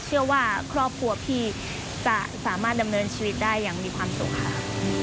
เชื่อว่าครอบครัวพี่จะสามารถดำเนินชีวิตได้อย่างมีความสุขค่ะ